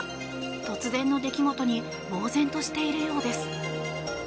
突然の出来事にぼうぜんとしているようです。